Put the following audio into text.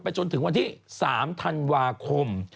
จนถึงวันที่๓ธันวาคม